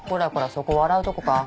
そこ笑うとこか？